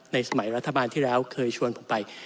สมัยรัฐบาลที่แล้วเคยชวนผมไป